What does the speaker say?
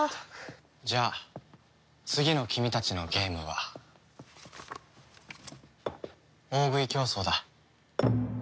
じゃあ次の君たちのゲームは大食い競争だ。